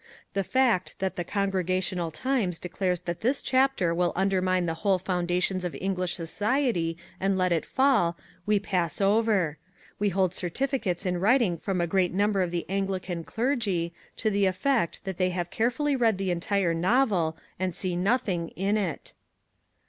The fact that the Congregational Times declares that this chapter will undermine the whole foundations of English Society and let it fall, we pass over: we hold certificates in writing from a great number of the Anglican clergy, to the effect that they have carefully read the entire novel and see nothing in it.